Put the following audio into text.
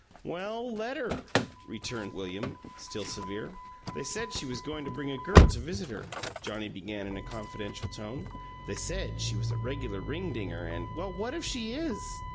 "Well, let her!" returned William, still severe. "They said she was goin' to bring a girl to visit her," Johnnie began in a confidential tone. "They said she was a reg'lar ringdinger and " "Well, what if she is?"